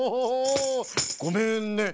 ごめんね。